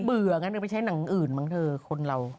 เบื่อกันไม่ใช่นางอื่นมั้งเธอคนเรา